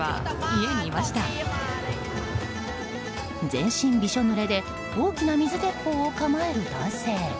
全身びしょぬれで大きな水鉄砲を構える男性。